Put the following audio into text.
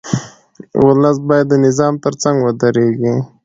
ولس باید د نظام ترڅنګ ودرېږي.